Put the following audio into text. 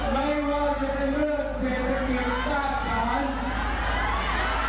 ไม่ว่าจะเป็นเวิร์ดเสตกิตสาติศาสตร์